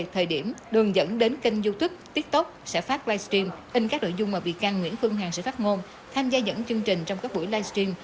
thời điểm đường dẫn đến kênh youtube tiktok sẽ phát live stream in các nội dung mà bị ca nguyễn phương hằng sẽ phát ngôn tham gia dẫn chương trình trong các buổi live stream